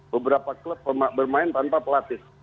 beberapa klub bermain tanpa pelatih